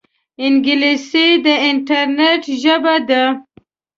انګلیسي د انټرنیټ ژبه ده